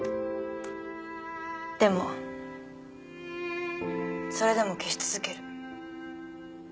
でもそれでも消し続ける。